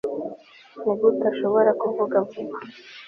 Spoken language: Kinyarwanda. nigute ashobora kuvuga vuba